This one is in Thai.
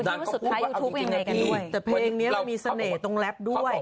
ว่าสุดท้ายยูทูปยังไงกันด้วยแต่เพลงนี้เรามีเสน่ห์ตรงแรปด้วย